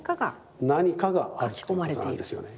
何かがあるということなんですよね。